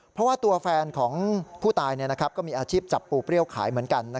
เพราะว่าตัวแฟนของผู้ตายก็มีอาชีพจับปูเปรี้ยวขายเหมือนกัน